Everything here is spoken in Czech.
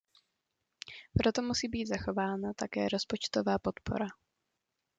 Proto musí být zachována také rozpočtová podpora.